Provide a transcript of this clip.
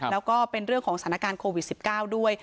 แล้วก็เป็นเรื่องของสถานการณ์โควิด๑๙ด้วย